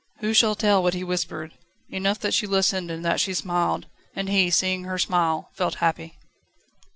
Who shall tell what he whispered? Enough that she listened and that she smiled; and he, seeing her smile, felt happy.